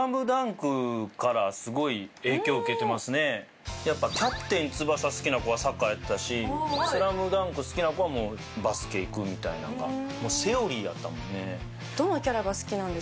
わかりやすくやっぱ『キャプテン翼』好きな子はサッカーやってたし『ＳＬＡＭＤＵＮＫ』好きな子はバスケいくみたいなのがもうセオリーやったもんね。